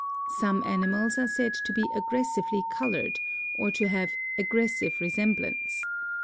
Such animals are said to be aggressively colored or to have aggressive resemblance.